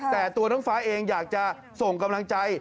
แต่ตัวน้องฟ้าเองอยากจะส่งกำลังใจ